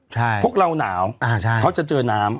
ใช่พวกเราหนาวอ่าใช่เขาจะเจอน้ำ